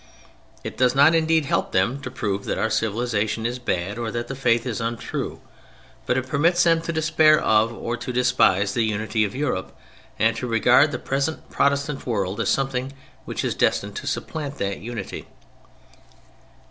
It does not indeed help them to prove that our civilization is bad or that the Faith is untrue, but it permits them to despair of, or to despise, the unity of Europe, and to regard the present Protestant world as something which is destined to supplant that unity.